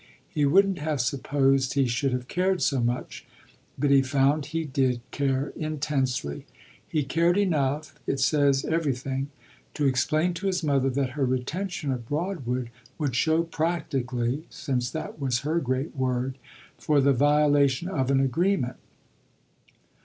He wouldn't have supposed he should have cared so much, but he found he did care intensely. He cared enough it says everything to explain to his mother that her retention of Broadwood would show "practically" (since that was her great word) for the violation of an agreement.